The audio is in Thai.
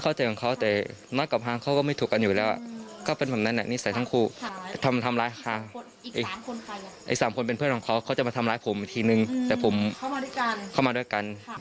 โกรธเรื่องอะไรไม่รู้ไม่รู้ผิดเรื่องอะไรผมก็ไม่เข้าใจกับเขา